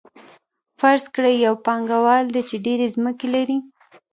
فرض کړئ یو پانګوال دی چې ډېرې ځمکې لري